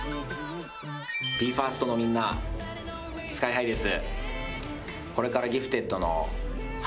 ＢＥ：ＦＩＲＳＴのみんな、ＳＫＹ−ＨＩです。